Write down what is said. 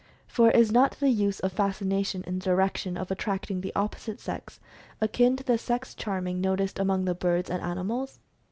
For is not the use of fascination, in the direction of attracting the other sex akin to the sex charming no ticed among the birds and animals